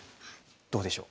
どうでしょう？